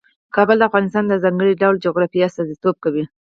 کابل د افغانستان د ځانګړي ډول جغرافیه استازیتوب کوي.